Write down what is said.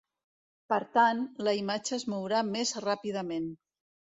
Per tant, la imatge es mourà més ràpidament.